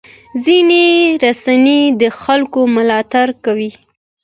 ځینې رسنۍ د خلکو ملاتړ کوي.